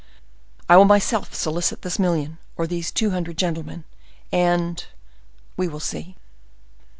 I will myself solicit this million, or these two hundred gentlemen; and—we will see."